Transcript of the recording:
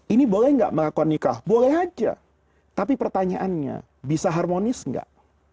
ini boleh nggak melakukan nikah boleh aja tapi pertanyaannya bisa harmonis nggak